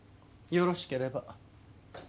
よろしければ。